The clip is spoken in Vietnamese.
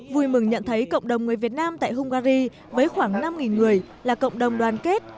vui mừng nhận thấy cộng đồng người việt nam tại hungary với khoảng năm người là cộng đồng đoàn kết